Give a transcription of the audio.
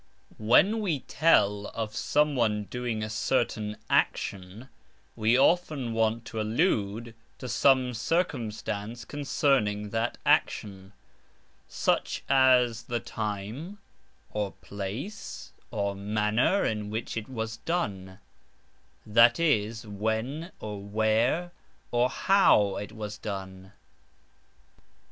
When we tell of someone doing a certain action we often want to allude to some circumstance concerning that action, such as the time, or place, or manner in which it was done, that is, when, or where, or how it was done.